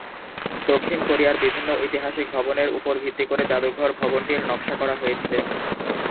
দক্ষিণ কোরিয়ার বিভিন্ন ঐতিহাসিক ভবনের উপর ভিত্তি করে জাদুঘর ভবনটির নকশা করা হয়েছে।